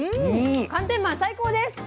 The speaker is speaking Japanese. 寒天マン最高です！